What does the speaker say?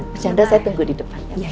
bercanda saya tunggu di depan